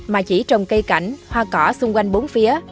mà chỉ trồng cây cảnh hoa cỏ xung quanh bốn phía